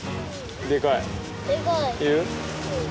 でかい。